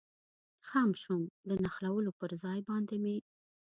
خم شوم، د نښلولو پر ځای باندې مې.